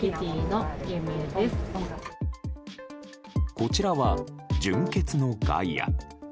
こちらは純潔の原初神。